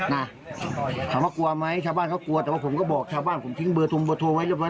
ถามว่ากลัวไหมชาวบ้านเขากลัวแต่ว่าผมก็บอกชาวบ้านผมทิ้งเบอร์ตรงเบอร์โทรไว้เรียบร้อ